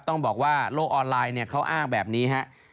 ต้องบอกว่าโลกออนไลน์เขาอ้างแบบนี้ฮะ